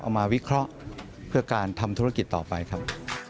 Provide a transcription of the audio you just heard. มาวิเคราะห์เพื่อการทำธุรกิจต่อไปครับ